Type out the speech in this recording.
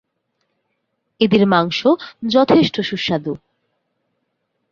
এদের মাংস যথেষ্ট সুস্বাদু।